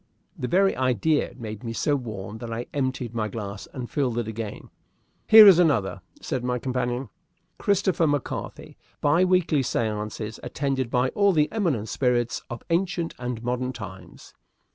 '" The very idea made me so warm that I emptied my glass and filled it again. "Here is another," said my companion, "'Christopher McCarthy; bi weekly séances attended by all the eminent spirits of ancient and modern times.